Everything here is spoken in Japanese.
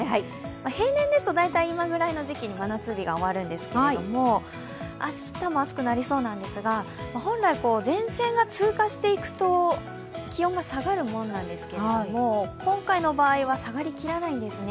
平年ですと大体今ぐらいに真夏日が終わるんですが明日も暑くなりそうなんですが本来、前線が通過していくと気温が下がるものなんですけど今回の場合は下がりきらないんですね。